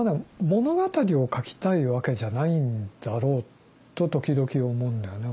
物語を書きたいわけじゃないんだろうと時々思うんだよね。